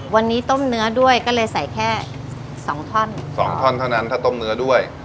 วันนี้ต้มเนื้อด้วยก็เลยใส่แค่สองท่อนสองท่อนเท่านั้นถ้าต้มเนื้อด้วย